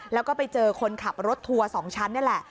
แล้วก็ไปเจอคนขับรถทัวร์๒ชั้นนี่แหละ